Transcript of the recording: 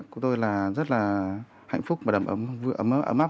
của tôi là rất là hạnh phúc và đầm ấm ấm ấp